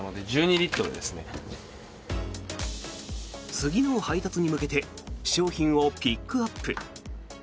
次の配達に向けて商品をピックアップ。